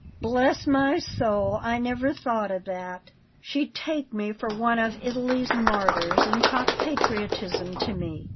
"Bless my soul! I never thought of that! She'd take me for one of Italy's martyrs, and talk patriotism to me.